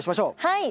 はい！